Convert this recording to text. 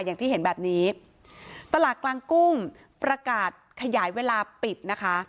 อย่างที่เห็นแบบนี้ตลาดกลางกุ้งประกาศขยายเวลาปิดนะคะ